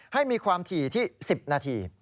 ให้มีความถี่ที่๑๐นาที